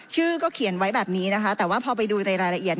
ชื่อก็เขียนไว้แบบนี้นะคะแต่ว่าพอไปดูในรายละเอียด